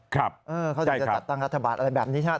เขาจะจัดตั้งรัฐบาลอะไรแบบนี้ใช่เปล่า